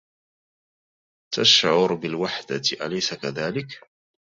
تَشعرُ بالوحدة، أليس كذلك؟